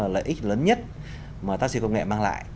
lợi ích lớn nhất mà taxi công nghệ mang lại